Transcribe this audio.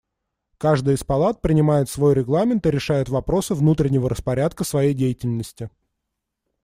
Каждая из палат принимает свой регламент и решает вопросы внутреннего распорядка своей деятельности.